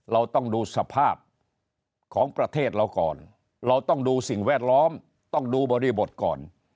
เราต้องดูสภาพของประเทศเราก่อนเราต้องดูสิ่งแวดล้อมต้องดูบริบทก่อน